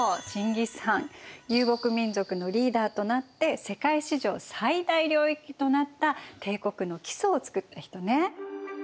遊牧民族のリーダーとなって世界史上最大領域となった帝国の基礎をつくった人ね。